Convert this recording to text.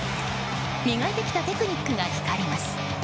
磨いてきたテクニックが光ります。